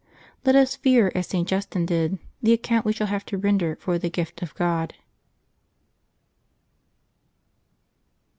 Let us fear, as St. Justin did, the account we shall have to render for the gift of God.